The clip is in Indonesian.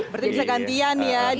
berarti bisa gantian ya